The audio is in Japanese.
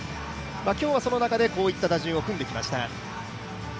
今日はその中でそういった打順を組んできました。